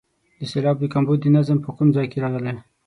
د سېلاب کمبود د نظم په کوم ځای کې راغلی.